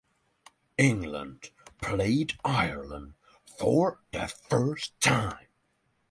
England played Ireland for the first time.